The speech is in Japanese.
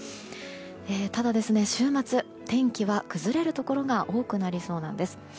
ただ、週末は天気が崩れるところが多くなりそうなんです。